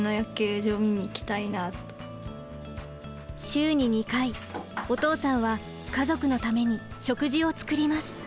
週に２回お父さんは家族のために食事を作ります。